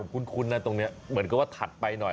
คุ้นนะตรงนี้เหมือนกับว่าถัดไปหน่อย